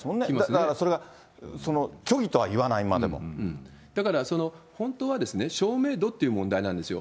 だからそれが、だから本当はですね、証明度っていう問題なんですよ。